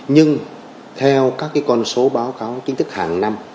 nhưng theo các con số báo cáo kinh tức hàng năm